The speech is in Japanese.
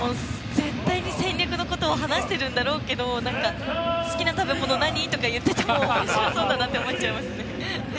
絶対に戦略のことを話しているんだろうけど好きな食べ物何？とか言っててもおもしろそうだなと思っちゃいます。